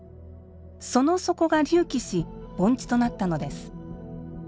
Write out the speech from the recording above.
その底が隆起し盆地となったのです。